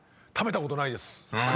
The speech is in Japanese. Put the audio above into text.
食べたことないです。